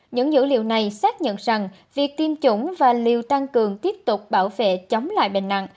những dữ liệu này xác nhận rằng việc tiêm chủng và liều tăng cường tiếp tục bảo vệ chống lại bệnh nặng